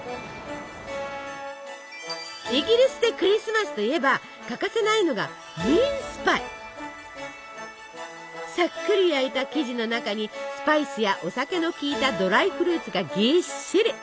イギリスでクリスマスといえば欠かせないのがさっくり焼いた生地の中にスパイスやお酒の効いたドライフルーツがぎっしり。